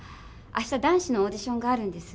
明日男子のオーディションがあるんです。